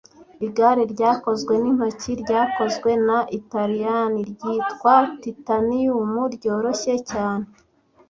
Igare ryakozwe n'intoki ryakozwe na Italiyani ryitwa titanium ryoroshye cyane.